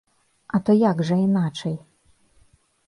А то як жа іначай?